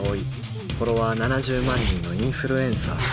フォロワー７０万人のインフルエンサー